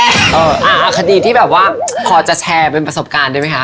เอาคดีที่แบบว่าพอจะแชร์เป็นประสบการณ์ได้ไหมคะ